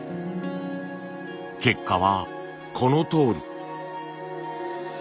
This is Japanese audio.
結果はこのとおり。